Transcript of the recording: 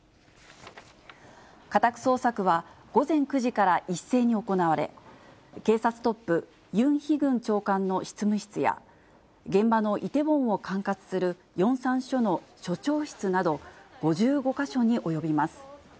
家宅捜索は、午前９時から一斉に行われ、警察トップ、ユン・ヒグン長官の執務室や、現場のイテウォンを管轄するヨンサン署の署長室など、５５か所に及びます。